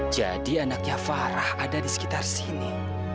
jadi anaknya farah ada di sekitar sini